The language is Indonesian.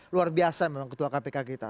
luar biasa memang ketua kpk kita